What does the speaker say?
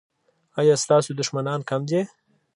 ایا ستاسو دښمنان کم دي؟